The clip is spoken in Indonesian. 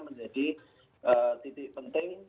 menjadi titik penting